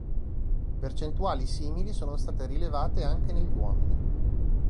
Percentuali simili sono state rilevate anche negli uomini.